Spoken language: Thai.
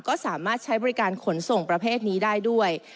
ก็สามารถใช้บริการขนส่งประเภทนี้ได้ด้วย